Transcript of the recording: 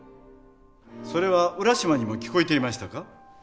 それは浦島にも聞こえていましたか？